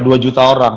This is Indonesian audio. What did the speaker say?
dua juta orang